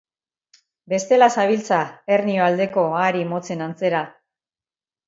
Bestela zabiltza Hernio aldeko ahari motzen antzera.